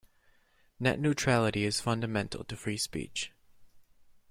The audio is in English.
Net neutrality is fundamental to free speech.